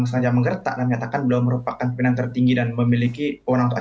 sudah anda perintah kan